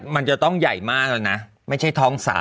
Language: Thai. มันจะต้องใหญ่มากแล้วนะไม่ใช่ท้อง๓